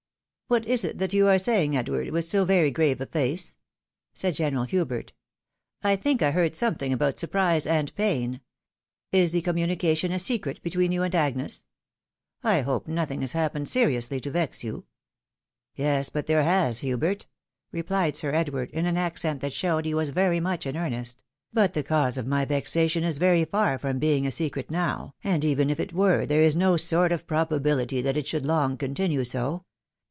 " What is that you are saying, Edward, vrith so very grave a face ?" said General Hubert ;" I think I heard something about surprise and pain. Is the communication a secret between you and Agnes ? I hope nothing has happened seriously to vex you ?" 346 THE WIDOW MA.KEIED. " Yes, but there has, Hubert,'' replied Sir Edward, in an accent that showed he \^as very much in earnest ;" but the cause of my vexation is very far from being a secret now, and even if it were, there is no sort of probability that it should long continue so.